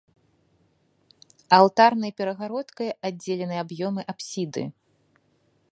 Алтарнай перагародкай аддзелены аб'ёмы апсіды.